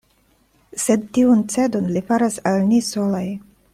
Sed tiun cedon li faras al ni solaj.